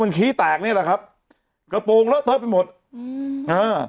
มันขี้แตกเนี่ยแหละครับกระโปงแล้วเตอร์ไปหมดอืมอ่า